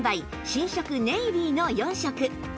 新色ネイビーの４色